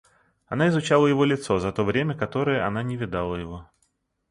Она изучала его лицо за то время, которое она не видала его.